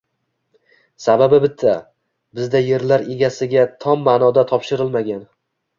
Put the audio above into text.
Sababi bitta: bizda yerlar egasiga tom ma’noda topshirilmagan